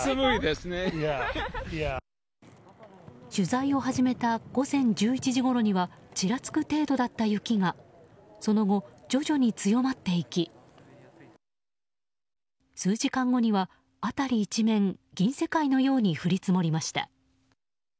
取材を始めた午前１１時ごろにはちらつく程度だった雪がその後、徐々に強まっていき数時間後には辺り一面銀世界のように降り積もりました。